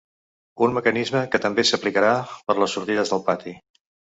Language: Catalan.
Un mecanisme que també s’aplicarà per les sortides al pati.